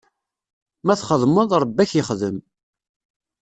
Ma txedmeḍ, Ṛebbi ad ak-ixdem.